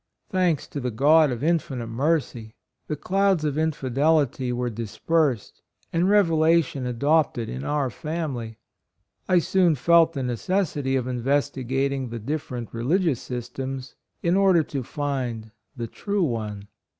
Thanks to the God of infinite mercy, the clouds of infidelity were dispersed and revelation adopted in our family. I soon felt the neces sity of investigating the different religious systems, in order to find the true one.